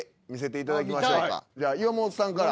じゃあ岩本さんから。